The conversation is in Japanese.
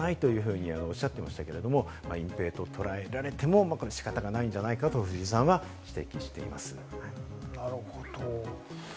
これは隠ぺいではないとおっしゃっていましたけれども、隠蔽と捉えられても仕方ないんじゃないかなと、藤井さんは指摘しています。